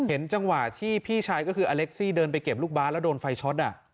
เห็นจังหวะที่พี่ชายก็คืออเล็กซี่เดินไปเก็บลูกบาทแล้วโดนไฟช็อต